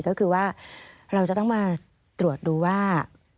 ก็คือว่าเราจะต้องมาตรวจดูว่า